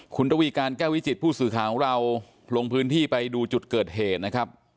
คุณระวีการแก้ววิจิตผู้สื่อข่าวของเราลงพื้นที่ไปดูจุดเกิดเหตุนะครับ